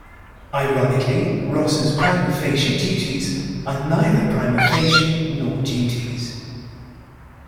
Ironically, Ross' prima facie duties are neither prima facie nor duties.